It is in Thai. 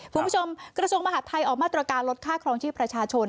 กระทรวงมหาดไทยออกมาตรการลดค่าครองชีพประชาชน